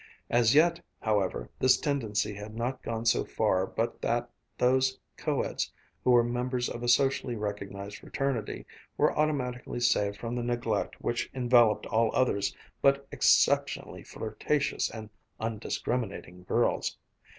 As yet, however, this tendency had not gone so far but that those co eds who were members of a socially recognized fraternity were automatically saved from the neglect which enveloped all other but exceptionally flirtatious and undiscriminating girls.